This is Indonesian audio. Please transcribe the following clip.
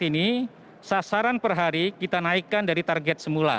di dalam rangka mempercepat ini sasaran per hari kita naikkan dari target semula